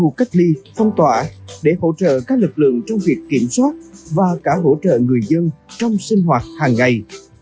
có mặt ở các khu cách ly phong tỏa để hỗ trợ các lực lượng trong việc kiểm soát và cả hỗ trợ người dân trong sinh hoạt hàng ngày